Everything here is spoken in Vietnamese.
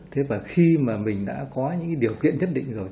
thế và khi mà mình đã có những điều kiện nhất định rồi